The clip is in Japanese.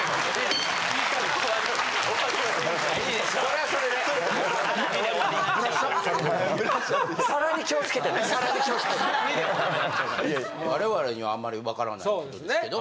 ・それはそれで・我々にはあんまりわからないことですけど。